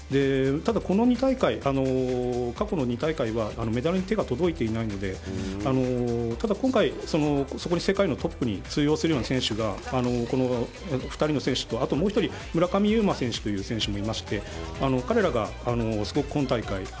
ただ、過去の２大会はメダルに手が届いていないので、今回そこに世界のトップに通用するような選手がこのお二人の選手とあと、もう１人村上右磨選手という選手もいて彼らがすごく今大会